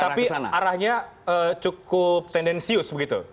tapi arahnya cukup tendensius begitu